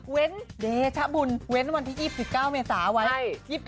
เว้นเดชบุญเว้นวันที่๒๙เมษาไว้